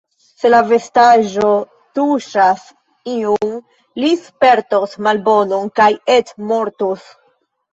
Se la vestaĵo tuŝas iun, li spertos malbonon kaj eĉ mortos.